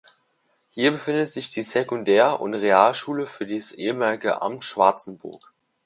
Hier befinden sich die Sekundar- und Realschule für das ehemalige Amt Schwarzenburg.